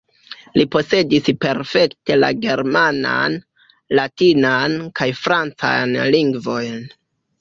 Li posedis perfekte la germanan, latinan kaj francajn lingvojn.